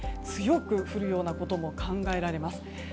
強く降るようなことも考えられます。